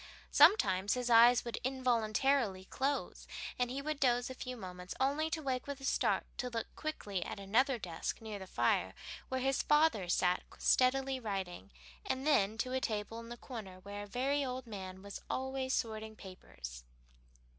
Sometimes his eyes would involuntarily close and he would doze a few moments, only to wake with a start to look quickly at another desk near the fire where his father sat steadily writing, and then to a table in the corner where a very old man was always sorting papers.